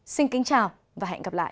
xin kính chào và hẹn gặp lại